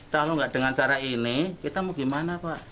kalau nggak dengan cara ini kita mau gimana pak